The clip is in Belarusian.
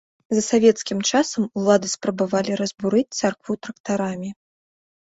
За савецкім часам улады спрабавалі разбурыць царкву трактарамі.